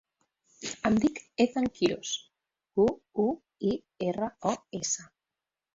Em dic Ethan Quiros: cu, u, i, erra, o, essa.